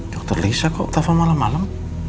dokter lisa kok tava malam malam